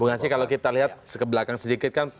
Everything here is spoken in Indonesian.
bukan sih kalau kita lihat ke belakang sedikit kan